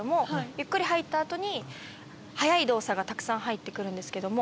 ゆっくり入った後に速い動作がたくさん入って来るんですけども。